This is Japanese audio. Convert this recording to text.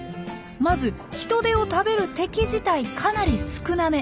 まずヒトデを食べる敵自体かなり少なめ。